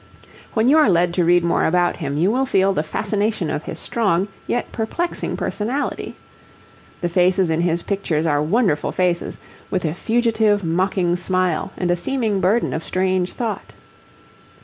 When you are led to read more about him you will feel the fascination of his strong, yet perplexing personality. The faces in his pictures are wonderful faces, with a fugitive mocking smile and a seeming burden of strange thought.